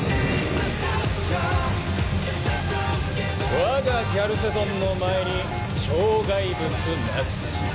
我がギャルセゾンの前に障害物なし。